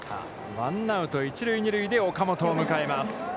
ワンアウト、一塁二塁で、岡本を迎えます。